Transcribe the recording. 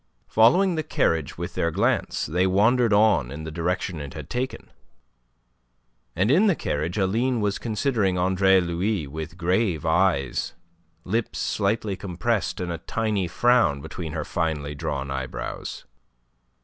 Following the carriage with their glance, they wandered on in the direction it had taken. And in the carriage Aline was considering Andre Louis with grave eyes, lips slightly compressed, and a tiny frown between her finely drawn eyebrows.